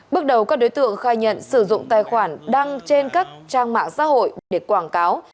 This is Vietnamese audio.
bước đầu các đối tượng khai nhận sử dụng tài khoản đăng trên các trang mạng xã hội để quảng cáo